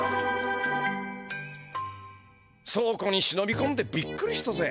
そうこにしのびこんでびっくりしたぜ。